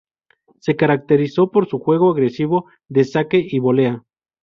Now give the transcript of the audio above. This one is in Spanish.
Se caracterizó por su juego agresivo de saque y volea.